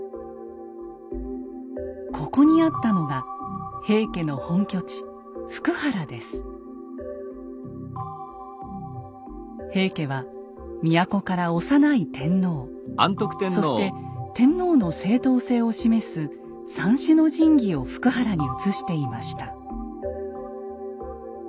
ここにあったのが平家は都から幼い天皇そして天皇の正統性を示す三種の神器を福原に移していました。